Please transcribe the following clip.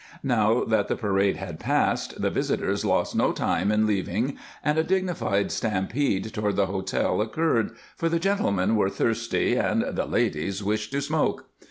Now that the parade had passed, the visitors lost no time in leaving, and a dignified stampede toward the hotel occurred, for the gentlemen were thirsty and the ladies wished to smoke.